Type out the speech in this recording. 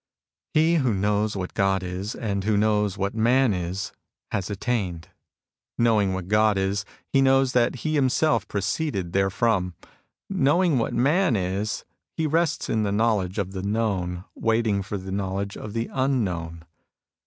He who knows what Qod is, and who knows what Man is, has attained. Knowing what God is, he knows that he himself proceeded therefrom. Knowing what Man is, he rests in the knowledge of the known, waiting for the knowledge of the unknown.